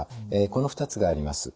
この２つがあります。